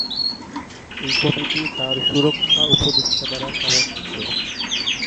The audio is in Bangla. এই কমিটি তার সুরক্ষা উপদেষ্টা দ্বারা সমন্বিত।